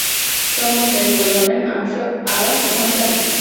তন্মধ্যে একদল হলেন আরশ বহনকারী।